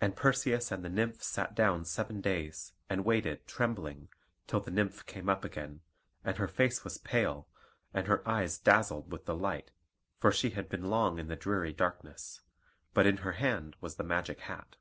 And Perseus and the Nymphs sat down seven days and waited trembling, till the Nymph came up again; and her face was pale, and her eyes dazzled with the light for she had been long in the dreary darkness; but in her hand was the magic hat.